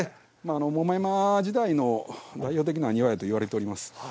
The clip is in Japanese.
桃山時代の代表的な庭やと言われております。